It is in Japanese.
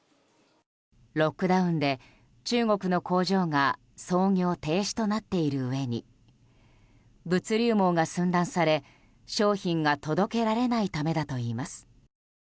ロックダウンで中国の工場が操業停止となっているうえに物流網が寸断され商品が届けられないためだといいます。